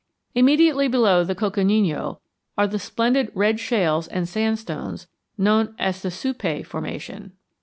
Immediately below the Coconino are the splendid red shales and sandstones known as the Supai formation.